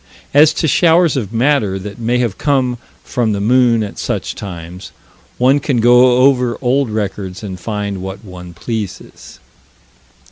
As to showers of matter that may have come from the moon at such times one can go over old records and find what one pleases.